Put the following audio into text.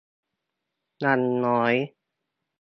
ยังน้อย